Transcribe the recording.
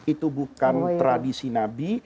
itu bukan tradisi nabi